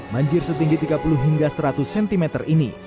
banjir setinggi tiga puluh hingga seratus cm ini